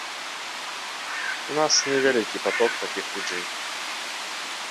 У нас не вялікі паток такіх людзей.